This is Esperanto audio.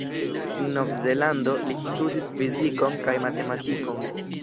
En Novzelando, li studis fizikon kaj matematikon.